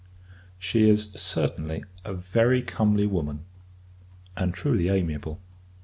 She is, certainly, a very comely woman, and truly amiable.